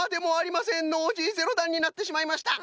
ノージー０だんになってしまいました。